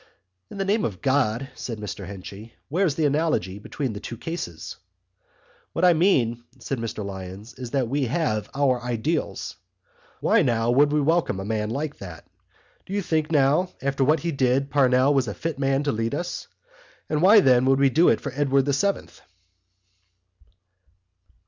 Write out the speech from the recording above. "In the name of God," said Mr Henchy, "where's the analogy between the two cases?" "What I mean," said Mr Lyons, "is we have our ideals. Why, now, would we welcome a man like that? Do you think now after what he did Parnell was a fit man to lead us? And why, then, would we do it for Edward the Seventh?"